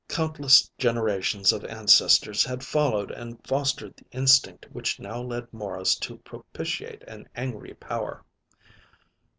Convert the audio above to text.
Countless generations of ancestors had followed and fostered the instinct which now led Morris to propitiate an angry power.